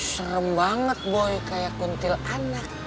serem banget boy kayak kuntil anak